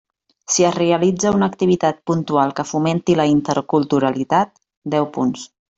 Si es realitza una activitat puntual que fomenti la interculturalitat: deu punts.